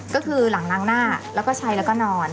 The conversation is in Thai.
ก็คือหลังล้างหน้าแล้วก็ใช้แล้วก็นอน